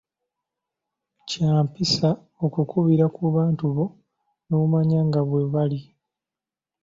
Kya mpisa okukubira ku bantu bo n'omanya nga bwe bali.